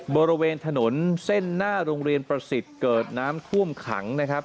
บริเวณถนนเส้นหน้าโรงเรียนประสิทธิ์เกิดน้ำท่วมขังนะครับ